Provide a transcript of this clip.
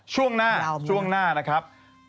ช่วงหน้านะครับ